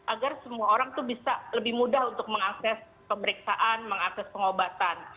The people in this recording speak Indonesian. agar semua orang itu bisa lebih mudah untuk mengakses pemeriksaan mengakses pengobatan